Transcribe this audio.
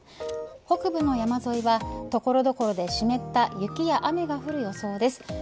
北部の山沿いは所々で湿った雪や雨が降る予想です。